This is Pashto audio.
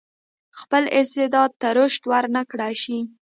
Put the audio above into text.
خپل استعداد ته رشد ورنه شي کړای.